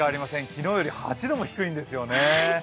昨日より８度も低いんですよね。